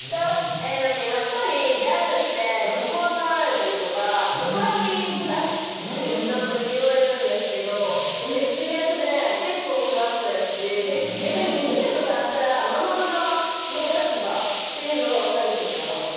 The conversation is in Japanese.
えなんかやっぱりギャルってちょっと怖がられたりとか絡みづらいってなんかめっちゃ言われるんですけどめっちゃ逆で結構フラットやし逆にいじめとかあったら守る側の立場っていうのが分かりやすいのかな。